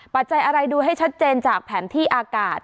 ปัจจัยอะไรดูให้ชัดเจนจากแผนที่อากาศ